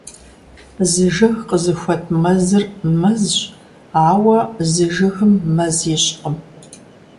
Зы жыг къызыхуэт мэзыр — мэзщ. Ауэ зы жыгым мэз ищӀкъым.